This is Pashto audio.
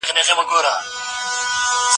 شهیددواخان مینه پال